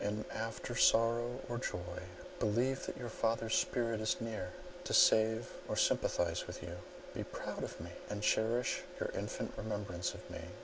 In after sorrow or joy, believe that you father's spirit is near, to save or sympathize with you. Be proud of me, and cherish your infant remembrance of me.